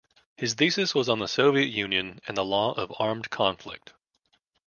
His thesis was on the Soviet Union and the law of armed conflict.